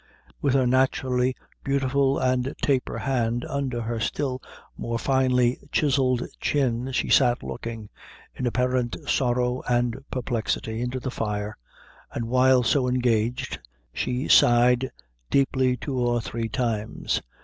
With her naturally beautiful and taper hand under her still more finely chiseled chin, she sat looking, in apparent sorrow and perplexity, into the fire, and while so engaged, she sighed deeply two or three times.